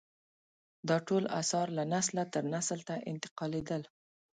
دا ټول اثار له نسله تر نسل ته انتقالېدل.